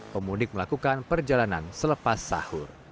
pemudik melakukan perjalanan selepas sahur